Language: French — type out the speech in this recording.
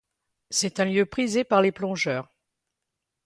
C'est un lieu prisé par les plongeurs.